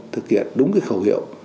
thực hiện đúng khẩu hiệu